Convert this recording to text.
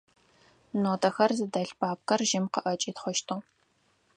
Нотэхэр зыдэлъ папкэр жьым къыӏэкӏитхъыщтыгъ.